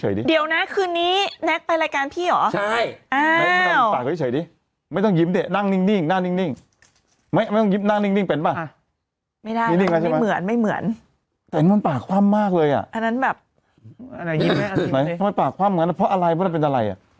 แปดเก้าปีที่แล้วละเนี้ยเร่งแล้วใบบันกี่ควบเนี่ย